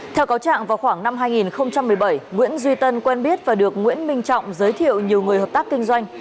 theo cáo trạng vào khoảng năm hai nghìn một mươi bảy nguyễn duy tân quen biết và được nguyễn minh trọng giới thiệu nhiều người hợp tác kinh doanh